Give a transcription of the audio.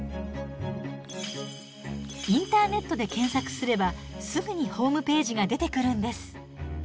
インターネットで検索すればすぐにホームページが出てくるんです。